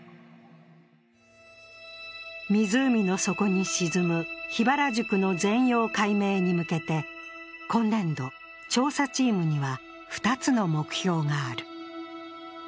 湖の底に沈む桧原宿の全容解明に向けて、今年度、調査チームには２つの目標がある。